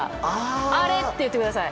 「アレ」って言ってください。